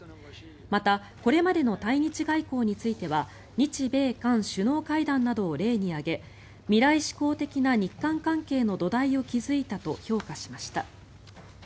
また、これまでの対日外交については日米韓首脳会談などを例に挙げ未来志向的な日韓関係の土台を築いたと評価しました。